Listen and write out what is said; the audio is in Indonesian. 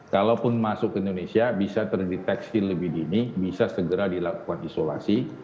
kalaupun masuk ke indonesia bisa terdeteksi lebih dini bisa segera dilakukan isolasi